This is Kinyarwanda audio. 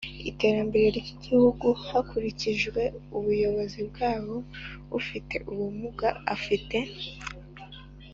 iterambere ry'igihugu hakurikijwe ubushobozi bwabo. ufite ubumuga afite